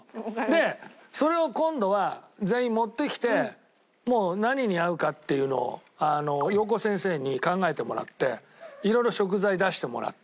でそれを今度は全員持ってきてもう何に合うかっていうのをようこ先生に考えてもらっていろいろ食材出してもらって。